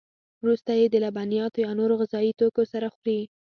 وروسته یې د لبنیاتو یا نورو غذایي توکو سره خوري.